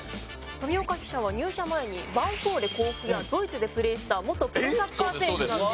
富岡記者は入社前にヴァンフォーレ甲府やドイツでプレーした元プロサッカー選手なんです。